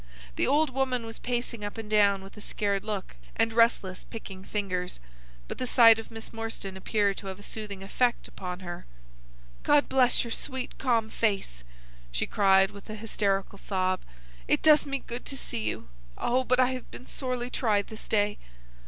The old woman was pacing up and down with a scared look and restless picking fingers, but the sight of Miss Morstan appeared to have a soothing effect upon her. "God bless your sweet calm face!" she cried, with an hysterical sob. "It does me good to see you. Oh, but I have been sorely tried this day!"